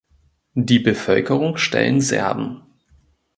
Die Bevölkerung stellen Serben.